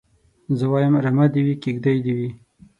زه وايم رمه دي وي کيږدۍ دي وي